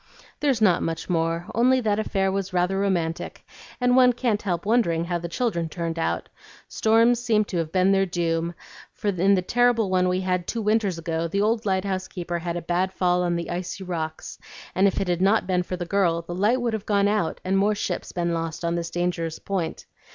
"There's not much more; only that affair was rather romantic, and one can't help wondering how the children turned out. Storms seem to have been their doom, for in the terrible one we had two winters ago, the old lighthouse keeper had a bad fall on the icy rocks, and if it had not been for the girl, the light would have gone out and more ships been lost on this dangerous point.